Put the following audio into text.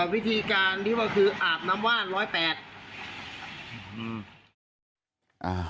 วิธีการที่ว่าคืออาบน้ำว่านร้อยแปดอืม